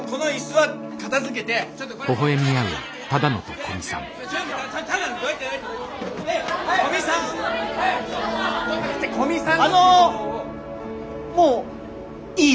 はい。